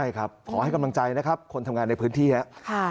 ใช่ครับขอให้กำลังใจนะครับคนทำงานในพื้นที่ครับ